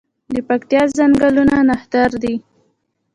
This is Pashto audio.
د پکتیا ځنګلونه نښتر دي